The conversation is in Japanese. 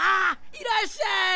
いらっしゃい！